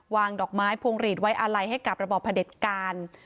วางดอกไม้พวงหลีดไว้อะไลให้กับระบบผลิตการ